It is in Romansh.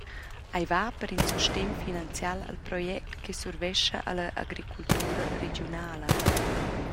Ei va per in sustegn finanzial al project che survescha alla agricultura regiunala.